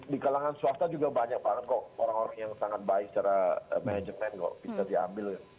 di kalangan swasta juga banyak banget kok orang orang yang sangat baik secara manajemen kok bisa diambil ya